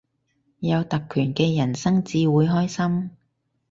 有特權嘅人生至會開心